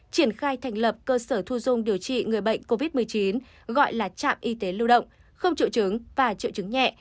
triển khai thành lập cơ sở thu dung điều trị người bệnh covid một mươi chín gọi là trạm y tế lưu động không triệu chứng và triệu chứng nhẹ